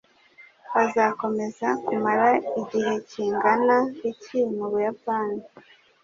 Azakomeza kumara igihe kingana iki mu Buyapani?